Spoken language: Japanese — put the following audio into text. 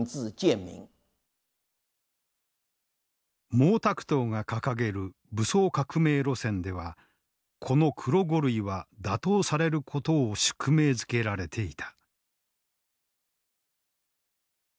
毛沢東が掲げる武装革命路線ではこの黒五類は打倒されることを宿命づけられていた。